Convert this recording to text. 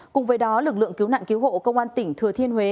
cùng với đó lực lượng cứu nạn cứu hộ công an tỉnh thừa thiên huế